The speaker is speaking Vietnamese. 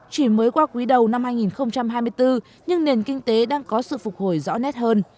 chỉ mới qua quý đầu năm hai nghìn hai mươi bốn nhưng nền kinh tế đang có sự phục hồi rõ nét hơn